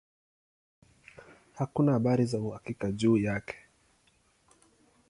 Hakuna habari za uhakika juu yake.